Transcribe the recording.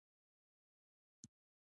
دا غږ له پخوا ارام دی.